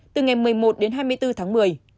từ ngày một mươi một đến hai mươi bốn tháng một mươi